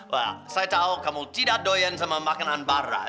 wah saya tahu kamu tidak doyan sama makanan barat